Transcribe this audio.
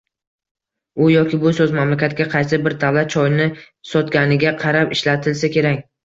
U yoki bu so’z, mamlakatga qaysi bir davlat choyni sotganiga qarab ishlatilsa kerak.